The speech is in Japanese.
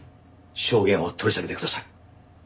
証言を取り下げてください。